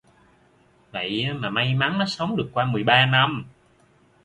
Vậy mà may mắn Nó sống được qua mười ba năm